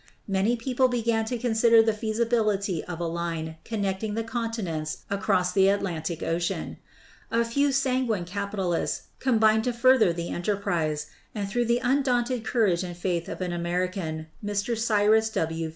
Many people began to consider the feasibility of a line connecting the ELECTRO MAGNETIC TELEGRAPH 307 continents across the Atlantic Ocean. A few sanguine capitalists combined to further the enterprise, and through the undaunted courage and faith of an American, Mr. Cyrus W.